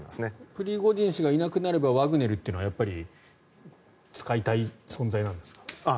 プリゴジン氏がいなくなればワグネルというのはやっぱり使いたい存在なんですか。